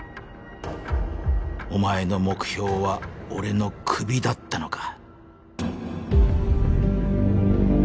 お前の目標は俺の首だったのか